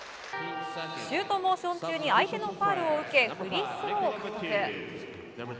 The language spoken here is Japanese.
シュートモーション中に相手のファウルを受けフリースローを獲得。